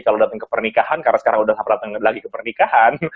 kalau datang ke pernikahan karena sekarang udah sampai datang lagi ke pernikahan